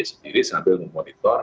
sendiri sambil memonitor